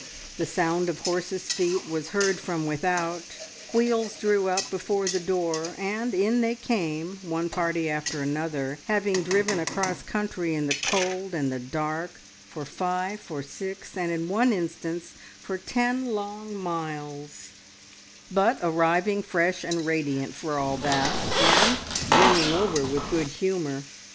The sound of horses' feet was heard from without, wheels drew up before the door, and in they came, one party after another, having driven across country in the cold and the dark for five, for six, and in one instance for ten long miles, but arriving fresh and radiant for all that, and brimming over with good humour.